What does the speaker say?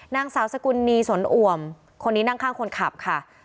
นางสาวสกุลนีสนอ่วมคนนี้นั่งข้างคนขับค่ะ